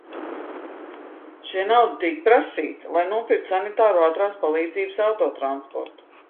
Šī nauda tiek prasīta, lai nopirktu sanitāro ātrās palīdzības autotransportu.